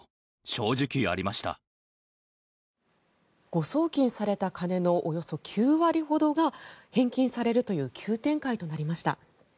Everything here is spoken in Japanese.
誤送金された金のおよそ９割ほどが返金されるという急展開となりました。